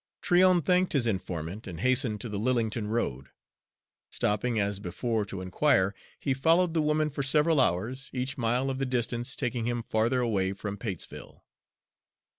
Tryon thanked his informant and hastened to the Lillington road. Stopping as before to inquire, he followed the woman for several hours, each mile of the distance taking him farther away from Patesville.